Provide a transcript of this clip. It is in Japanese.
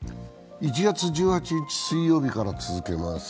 １月１８日水曜日から続けます。